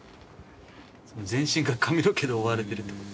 全身が髪の毛で覆われてるってこと？